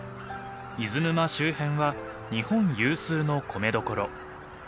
伊豆沼周辺は日本有数の米どころ。